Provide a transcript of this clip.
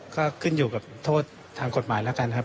ก็ขึ้นอยู่กับโทษทางกฎหมายแล้วกันครับ